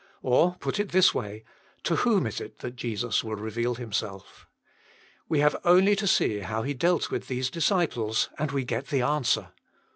Or, put it this way, — To whom is it that Jesus will reveal Himself ? We have only to see how he dealt with these disciples, and we get the answer.